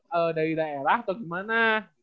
apakah dia emang dari daerah atau gimana